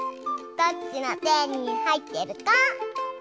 どっちのてにはいってるか？